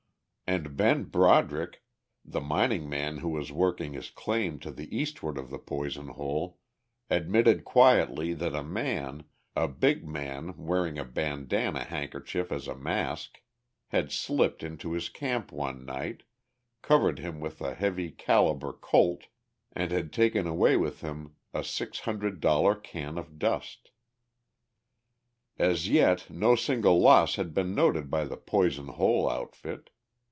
And Ben Broderick, the mining man who was working his claim to the eastward of the Poison Hole, admitted quietly that a man, a big man wearing a bandana handkerchief as a mask, had slipped into his camp one night, covered him with a heavy calibre Colt, and had taken away with him a six hundred dollar can of dust. As yet no single loss had been noted by the Poison Hole outfit.